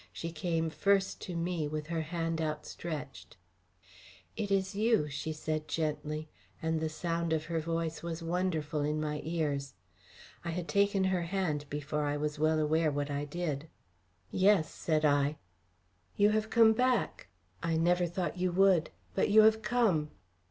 She came first to me with her hand outstretched. "It is you," she said gently, and the sound of her voice was wonderful in my ears. I had taken her hand before I was well aware what I did. "Yes," said I. "You have come back. I never thought you would. But you have come."